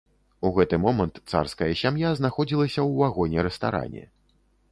У гэты момант царская сям'я знаходзілася ў вагоне-рэстаране.